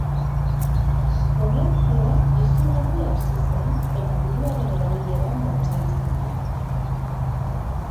Komertzioa izugarri hasi zen eta diruaren erabilera normalizatu.